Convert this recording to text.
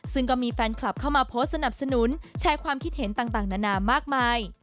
ซึ่งก็มีแฟนคลับเข้ามาโพสต์สนับสนุนแชร์ความคิดเห็นต่างนานามากมาย